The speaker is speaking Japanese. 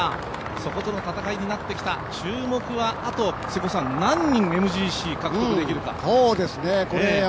そことの戦いになってきた、注目はあと何人ＭＧＣ獲得できるか。